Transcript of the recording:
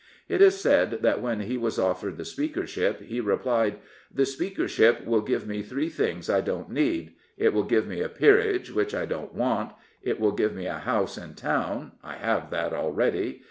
It is said that when he was offered the Speakership he replied, " The Speakership will give me three things I don't need. It will give me a peerage, which I don't want; it will give me a house in town: I have that already.